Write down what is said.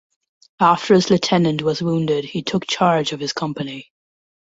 After his lieutenant was wounded he took charge of his company.